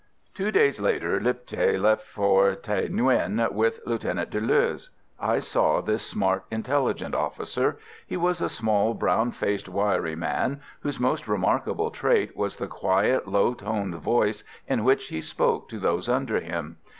Two days later Lipthay left for Thaï Nguyen with Lieutenant Deleuze. I saw this smart intelligence officer. He was a small, brown faced, wiry man, whose most remarkable trait was the quiet, low toned voice in which he spoke to those under him.